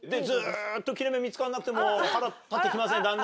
ずっと切れ目見つかんなくても腹立って来ません？